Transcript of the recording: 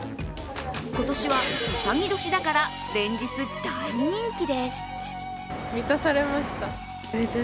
今年はうさぎ年だから、連日大人気です。